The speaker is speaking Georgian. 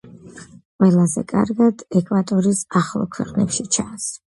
ყველაზე კარგად ეკვატორის ახლო ქვეყნებში ჩანს.